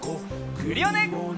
クリオネ！